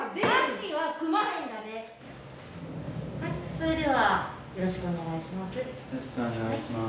それではよろしくお願いします。